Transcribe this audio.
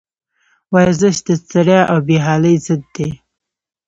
ورزش د ستړیا او بېحالي ضد دی.